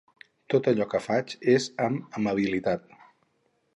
Tot allò que faig és amb amabilitat.